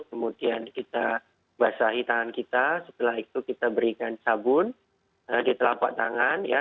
kemudian kita basahi tangan kita setelah itu kita berikan sabun di telapak tangan ya